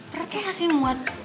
perutnya ngasih muat